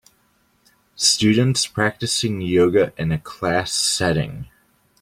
Students practicing yoga in a class setting.